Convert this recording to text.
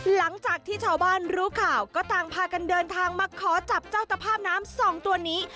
หลังจากที่ชาวบ้านรู้ข่าวก็ต่างพากันเดินทางมาขอจับเจ้าตภาพน้ำสองตัวนี้